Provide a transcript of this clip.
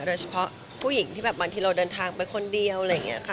โดยเฉพาะผู้หญิงที่แบบวันทีเราเดินทางไปคนเดียว